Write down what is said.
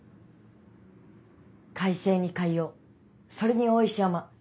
開成に海王それに大石山。